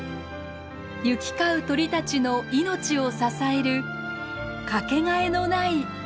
行き交う鳥たちの命を支える掛けがえのない島です。